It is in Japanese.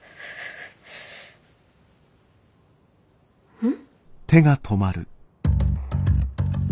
うん？